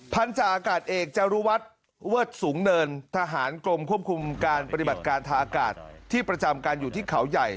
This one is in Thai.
พันธาอากาศเอกจารุวัฒน์เวิศสูงเนินทหารกรมควบคุมการปฏิบัติการทางอากาศที่ประจำการอยู่ที่เขาใหญ่